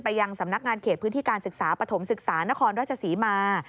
ยังสำนักงานเขตพื้นที่การศึกษาปฐมศึกษานครราชศรีมา